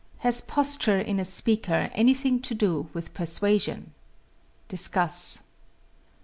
Has posture in a speaker anything to do with persuasion? Discuss.